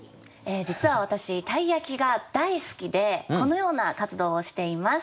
実は私鯛焼が大好きでこのような活動をしています。